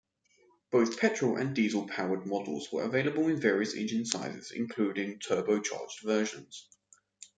Both petrol and diesel-powered models were available in various engine sizes including turbocharged versions.